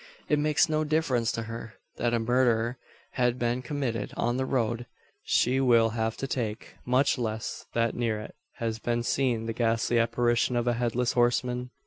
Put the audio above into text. It makes no difference to her, that a murder has been committed on the road she will have to take; much less that near it has been seen the ghastly apparition of a headless horseman!